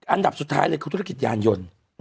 อันดับสุดท้ายเลยคือธุรกิจยานยนต์